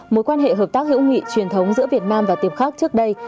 mối quan hệ hợp tác hữu nghị truyền thống giữa việt nam và tiệm khác trước đây